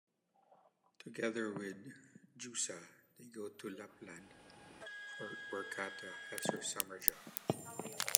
Together with Jusa, they go to Lapland where Kata has her summer job.